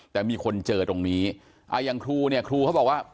แต่มีคนเจอตรงนี้อย่างครูเนี่ยครูเขาบอกว่า